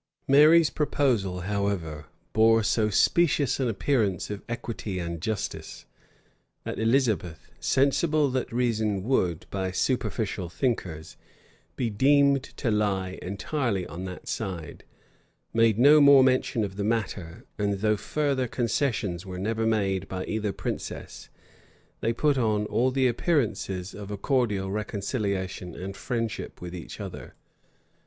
Mary's proposal, however, bore so specious an appearance of equity and justice, that Elizabeth, sensible that reason would, by superficial thinkers, be deemed to lie entirely on that side, made no more mention of the matter; and though further concessions were never made by either princess, they put on all the appearances of a cordial reconciliation and friendship with each other.